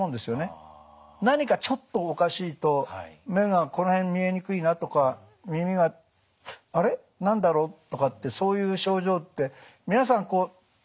何かちょっとおかしいと目がこの辺見えにくいなとか耳があれ何だろうとかってそういう症状って皆さんこう一日に１回とかね